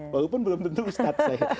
walaupun belum tentu ustadz saya